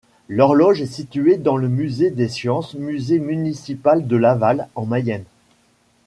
L'horloge est située dans le Musée des sciences, musée municipal de Laval, en Mayenne.